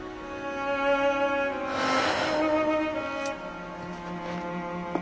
はあ。